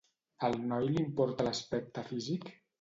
Al noi li importa l'aspecte físic?